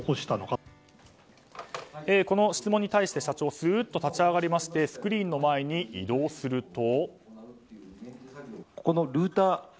この質問に対して社長すっと立ち上がりましてスクリーンの前に移動すると。